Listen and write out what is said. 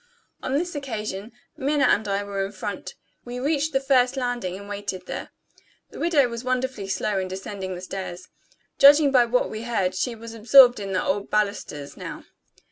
On this occasion, Minna and I were in front. We reached the first landing, and waited there. The widow was wonderfully slow in descending the stairs. Judging by what we heard, she was absorbed in the old balusters now.